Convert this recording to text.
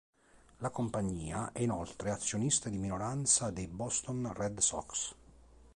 La compagnia è inoltre azionista di minoranza dei Boston Red Sox.